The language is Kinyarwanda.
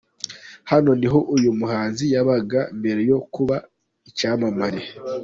Hano niho uyu muhanzi yabaga mbere yo kuba icyamamare.